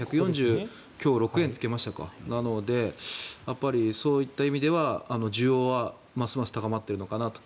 今日、１４６円つけましたかなので、そういった意味では需要はますます高まっているのかなと。